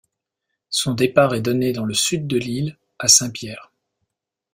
Son départ est donné dans le sud de l'île, à Saint-Pierre.